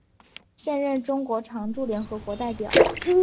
现任中国常驻联合国代表。